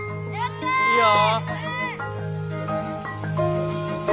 いいよ。